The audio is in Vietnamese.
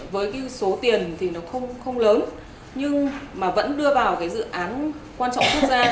với số tiền thì nó không lớn nhưng mà vẫn đưa vào cái dự án quan trọng thật ra